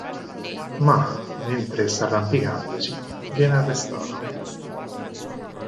Ma, mentre sta arrampicandosi, viene arrestato.